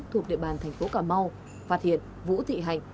thuộc địa bàn thành phố cà mau phát hiện vũ thị hạnh